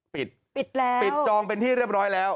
ปิดปิดแล้วปิดจองเป็นที่เรียบร้อยแล้ว